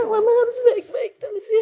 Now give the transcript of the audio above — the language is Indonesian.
mama harus baik baik